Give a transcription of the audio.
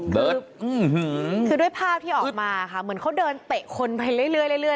คือด้วยภาพที่ออกมาค่ะเหมือนเขาเดินเตะคนไปเรื่อย